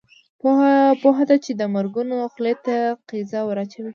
پوهه ده چې د مرګونو خولې ته قیضه ور اچوي.